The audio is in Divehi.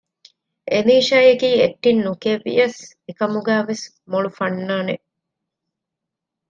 އެލީޝާ އަކީ އެކްޓިން ނުކިޔެވިޔަސް އެކަމުގައިވެސް މޮޅު ފަންނާނެއް